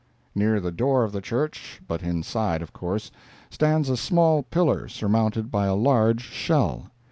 Near the door of the church, but inside, of course, stands a small pillar, surmounted by a large shell.